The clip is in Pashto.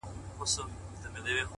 ځانپېژندنه د ژوند مهمه اړتیا ده.